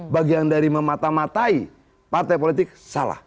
bagian dari memata matai partai politik salah